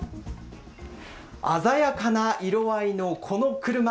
鮮やかな色合いのこの車。